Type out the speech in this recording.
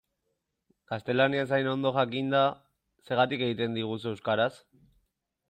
Gaztelaniaz hain ondo jakinda, zergatik egiten diguzu euskaraz?